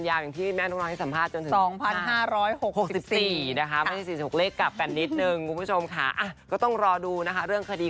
หรือว่าใครโกหกก็ขอให้มีอันเป็นไป